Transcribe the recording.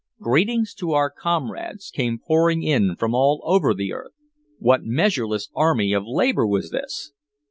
"Greetings to our comrades!" came pouring in from all over the earth. What measureless army of labor was this?